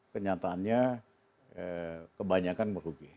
kenyataannya kebanyakan berugi